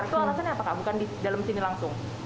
itu alasannya apa kak bukan di dalam sini langsung